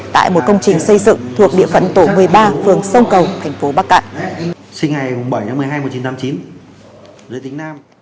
tại một công trình xây dựng thuộc địa phận tổ một mươi ba phường sông cầu thành phố bắc cạn